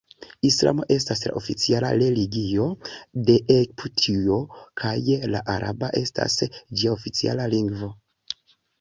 Islamo estas la oficiala religio de Egiptujo kaj la araba estas ĝia oficiala lingvo.